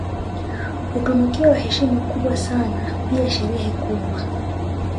Hutunukiwa heshima kubwa sana pia sherehe kubwa